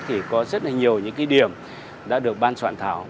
thì có rất nhiều những điểm đã được ban soạn thảo